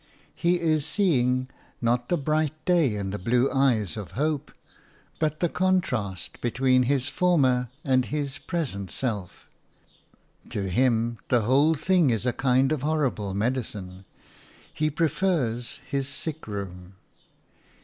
He is seeing, not the bright day and the blue eyes of hope, but the contrast between his former and his present self; to him the whole thing is a kind of horrible medicine; he prefers his sickroom.